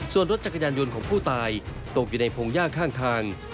ส่วนรถจักรยานยนต์ของผู้ตายตกอยู่ในพงหญ้าข้างทาง